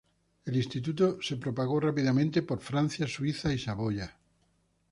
El instituto se propagó rápidamente por Francia, Suiza y Saboya.